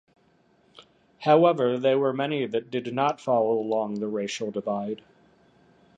However, there were many that did not fall along the racial divide.